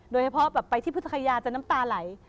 โดยเฉพาะไปที่พุทธภัยาจะน้ำตาไหล